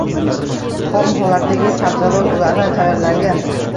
Xom holatdagi sabzavot ulardan tayyorlangan